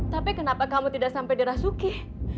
tapi kenapa kamu tidak sampai di rasuki